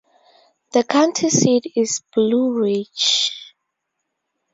The county seat is Blue Ridge.